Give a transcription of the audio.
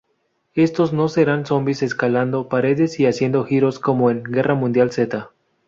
Estos no serán zombis escalando paredes y haciendo giros como en "Guerra mundial Z".